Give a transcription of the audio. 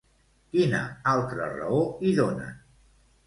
Quina altra raó hi donen?